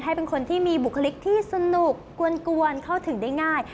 ให้เป็นคนที่มีบุคลิกที่สนุกกวนเข้าถึงได้ง่าย